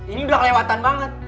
ini udah kelewatan banget